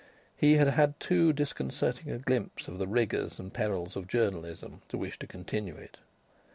He had had too disconcerting a glimpse of the rigours and perils of journalism to wish to continue it.